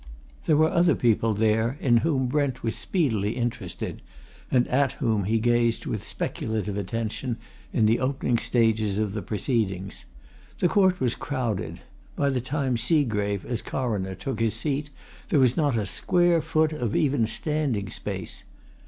There were other people there in whom Brent was speedily interested, and at whom he gazed with speculative attention in the opening stages of the proceedings. The court was crowded: by the time Seagrave, as Coroner, took his seat, there was not a square foot of even standing space.